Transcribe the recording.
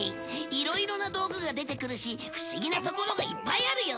いろいろな道具が出てくるし不思議なところがいっぱいあるよね。